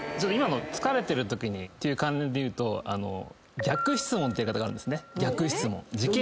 疲れてるときって関連でいうと逆質問ってやり方があるんですね。